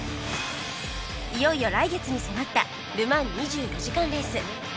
いよいよ来月に迫ったル・マン２４時間レース